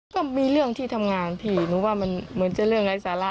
ก็มีเรื่องที่ทำงานพี่หนูว่ามันเหมือนจะเรื่องไร้สาระ